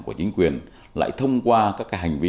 của chính quyền lại thông qua các hành vi